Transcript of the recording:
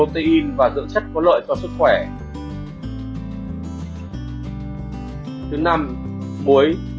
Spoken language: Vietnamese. thứ năm muối